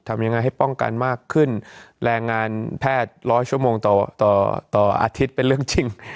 ทำยังไงให้ป้องกันมากขึ้นแรงงานแพทย์ร้อยชั่วโมงต่อต่อต่อต่ออาทิตย์เป็นเรื่องจริง